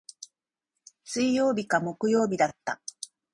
水曜日か木曜日だった。